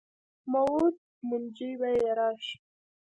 موعود منجي به یې راشي.